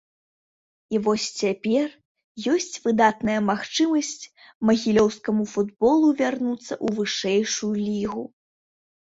І вось цяпер ёсць выдатная магчымасць магілёўскаму футболу вярнуцца ў вышэйшую лігу.